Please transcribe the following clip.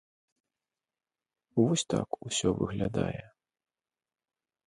Вось так усё выглядае.